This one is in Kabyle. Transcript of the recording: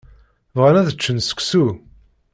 Bɣan ad ččen seksu.